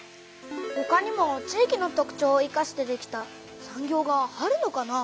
ほかにも地域の特ちょうをいかしてできた産業があるのかな？